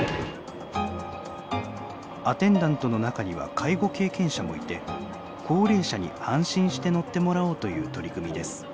アテンダントの中には介護経験者もいて高齢者に安心して乗ってもらおうという取り組みです。